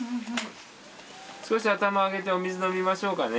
少し頭上げてお水飲みましょうかね。